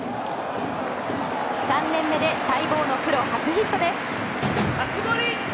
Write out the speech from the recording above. ３年目で待望のプロ初ヒットです。